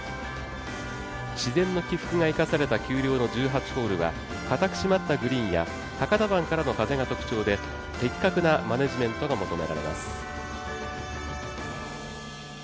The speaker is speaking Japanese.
自然の起伏が生かされた丘陵のホールはかたくしまったグリーンや博多湾からの風が特徴で的確なマネジメントが求められます。